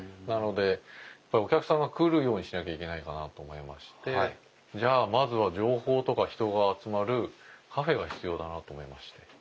なのでお客さんが来るようにしなきゃいけないかなと思いましてじゃあまずは情報とか人が集まるカフェが必要だなと思いまして。